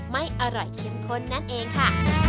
ไม่อร่อยเข้มข้นนั่นเองค่ะ